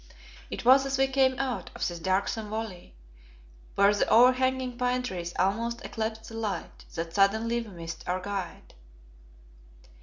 It was as we came out of this darksome valley, where the overhanging pine trees almost eclipsed the light, that suddenly we missed our guide.